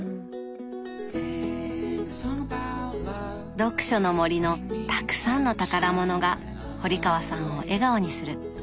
読書の森のたくさんの宝物が堀川さんを笑顔にする。